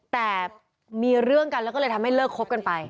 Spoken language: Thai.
แต่มีเรื่องกันแล้วก็เลยทำให้เลิกคบกันไป